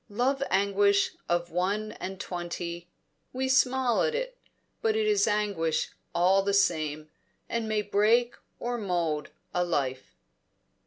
Love anguish of one and twenty; we smile at it, but it is anguish all the same, and may break or mould a life.